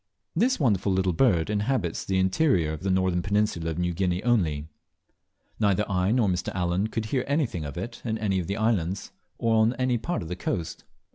This wonderful little bird inhabits the interior of the northern peninsula of New Guinea only. Neither I nor Mr. Allen could hear anything of it in any of the islands or on any part of the coast.